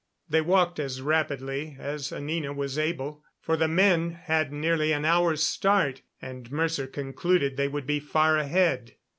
They walked as rapidly, as Anina was able, for the men had nearly an hour's start, and Mercer concluded they would be far ahead.